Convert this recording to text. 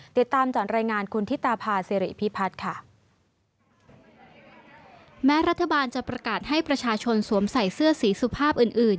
ติดตามจากรายงานคุณธิตาพาสิริพิพัฒน์ค่ะแม้รัฐบาลจะประกาศให้ประชาชนสวมใส่เสื้อสีสุภาพอื่นอื่น